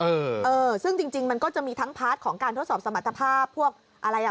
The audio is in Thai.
เออเออซึ่งจริงจริงมันก็จะมีทั้งพาร์ทของการทดสอบสมรรถภาพพวกอะไรอ่ะ